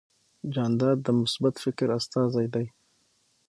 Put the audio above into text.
جانداد د مثبت فکر استازی دی.